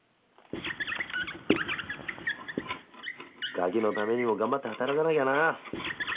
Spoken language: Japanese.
ガキのためにもがんばって働かなきゃなあ。